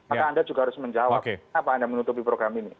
maka anda juga harus menjawab kenapa anda menutupi program ini